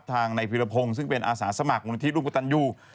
ทางในภิรพงศ์ซึ่งเป็นอาสาสมัครบริธีรุมกุฎัญญู